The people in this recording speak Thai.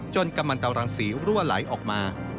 กำลังตรังสีรั่วไหลออกมา